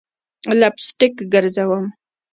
لپ سټک ګرزوم